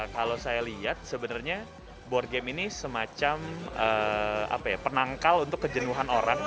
kalau saya lihat sebenarnya board game ini semacam penangkal untuk kejenuhan orang